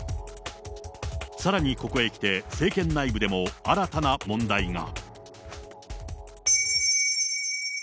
さらにここへきて、政権内部でも新たな問題が。